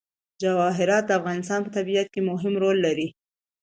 جواهرات د افغانستان په طبیعت کې مهم رول لري.